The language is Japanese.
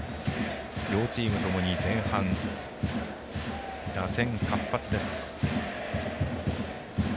両チームともに前半打線活発です。